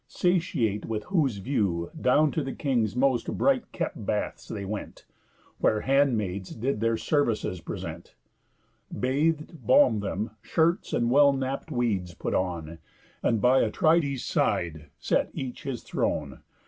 Satiate with whose view, Down to the king's most bright kept baths they went, Where handmaids did their services present, Bath'd, balm'd them, shirts and well napt weeds put on, And by Atrides' side set each his throne.